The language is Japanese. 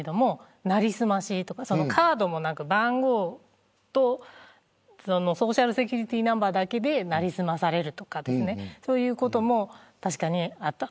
成り済ましとか、カードも番号とソーシャルセキュリティーナンバーだけで成り済まされるとかそういうこともあった。